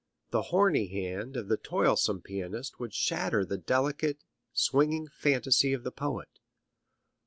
The horny hand of the toilsome pianist would shatter the delicate, swinging fantasy of the poet.